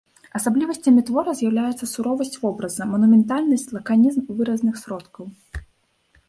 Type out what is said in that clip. Асаблівасцямі твора з'яўляюцца суровасць вобраза, манументальнасць, лаканізм выразных сродкаў.